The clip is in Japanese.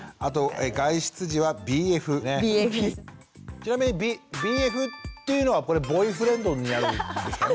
ちなみにＢＦっていうのはこれボーイフレンドになるんですかね？